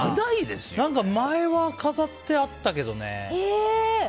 何か、前は飾ってあったけどね。